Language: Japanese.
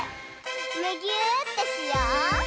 むぎゅーってしよう！